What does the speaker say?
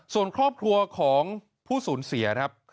ส่วนครอบครัวของผู้สูญเสียครับ